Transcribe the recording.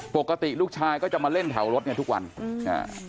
ปกติลูกชายก็จะมาเล่นแถวรถเนี้ยทุกวันอืมอ่า